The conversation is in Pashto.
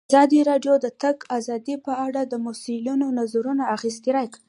ازادي راډیو د د تګ راتګ ازادي په اړه د مسؤلینو نظرونه اخیستي.